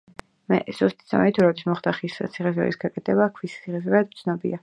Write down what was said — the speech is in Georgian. ზუსტი ცნობები თუ როდის მოხდა ხის ციხესიმაგრის გადაკეთება ქვის ციხესიმაგრედ, უცნობია.